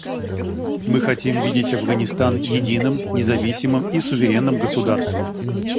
Мы хотим видеть Афганистан единым, независимым и суверенным государством.